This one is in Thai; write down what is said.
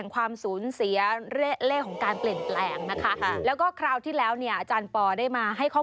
คลิก